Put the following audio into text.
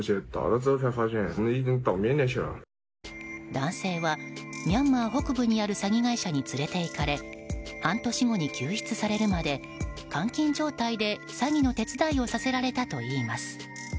男性はミャンマー北部にある詐欺会社に連れていかれ半年後に救出されるまで監禁状態で詐欺の手伝いをさせられたといいます。